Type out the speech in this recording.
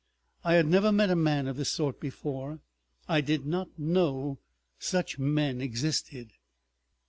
I had never met a man of this sort before; I did not know such men existed.